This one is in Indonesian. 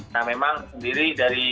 nah memang sendiri dari